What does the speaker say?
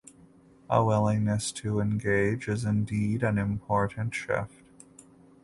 A willingness to engage is indeed an important shift.